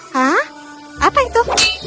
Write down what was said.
hah apa itu